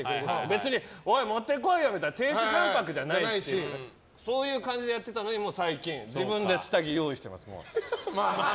別に持って来いよみたいな亭主関白じゃないしそういう感じでやってたのに最近、自分で下着用意してます。